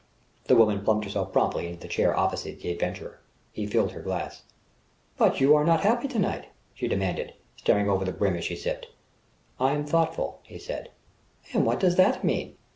The woman plumped herself promptly into the chair opposite the adventurer. He filled her glass. "But you are not happy to night?" she demanded, staring over the brim as she sipped. "I am thoughtful," he said. "And what does that mean?"